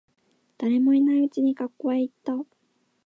誰もいないうちに学校へ行った。